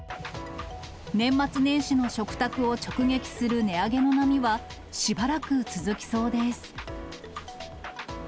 年末年始の食卓を直撃する値上げの波は、しばらく続きそうです。